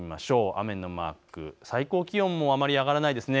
雨のマーク、最高気温もあまり上がらないですね。